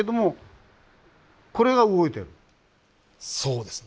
そうですね。